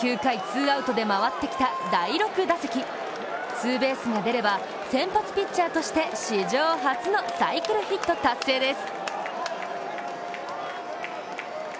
９回ツーアウトで回ってきた第６打席ツーベースが出れば先発ピッチャーとして史上初のサイクルヒット達成です。